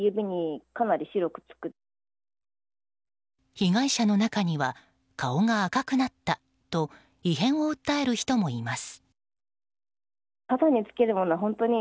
被害者の中には顔が赤くなったと異変を訴える人もいます。